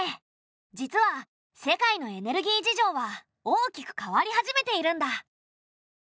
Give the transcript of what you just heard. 実は世界のエネルギー事情は大きく変わり始めているんだ。